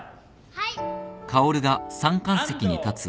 はい。